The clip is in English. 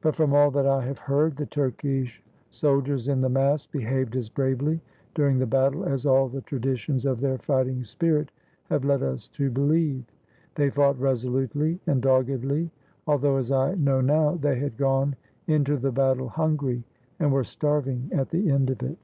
But from all that I have heard the Turkish soldiers in the mass behaved as bravely during the battle as all the traditions of their fighting spirit have led us to believe. They fought resolutely and doggedly, although, as I know now, they had gone into the battle hungry and were starving at the end of it.